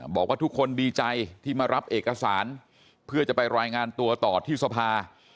บอกว่าทุกคนดีใจที่มารับเอกสารเพื่อจะไปรายงานตัวต่อที่สภา